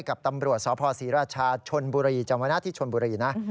กับตำรวจสพศรีราชาชนบุรีจำไว้นะที่ชนบุรีนะ